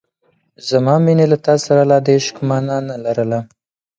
زما مینې له تا سره لا د عشق مانا نه لرله.